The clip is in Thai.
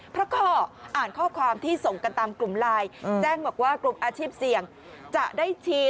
เพราะข้ออ่านข้อความที่ส่งกันตามกลุ่มไลน์แจ้งบอกว่ากลุ่มอาชีพเสี่ยงจะได้ฉีด